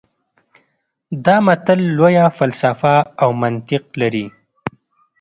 دا متل لویه فلسفه او منطق لري